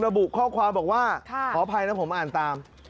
ระบุข้อความบอกว่าขออภัยนะผมอ่านตาม